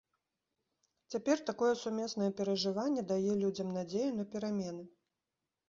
Цяпер такое сумеснае перажыванне дае людзям надзею на перамены.